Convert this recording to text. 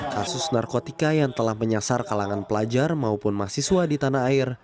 kasus narkotika yang telah menyasar kalangan pelajar maupun mahasiswa di tanah air